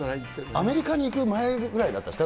アメリカに行く前ぐらいでしたか？